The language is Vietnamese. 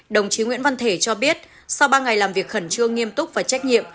đồng chí nguyễn văn thể cho biết sau ba ngày làm việc khẩn trương nghiêm túc và trách nhiệm